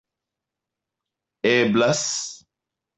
eblas